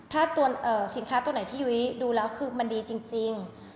ถ้าตัวสินค้าตัวไหนที่ยุ้ยดูแล้วคือมันดีจริง